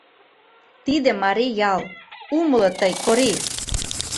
Тиде марий ял, умыло тый, Корий!